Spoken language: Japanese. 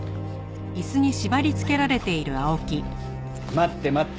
待って待って。